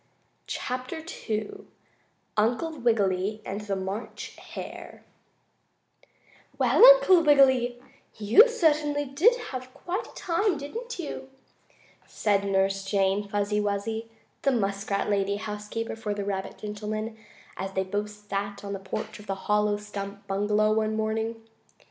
CHAPTER II UNCLE WIGGILY AND THE MARCH HARE "Well, Uncle Wiggily, you certainly did have quite a time, didn't you," said Nurse Jane Fuzzy Wuzzy, the muskrat lady housekeeper for the rabbit gentleman as they both sat on the porch of the hollow stump bungalow one morning.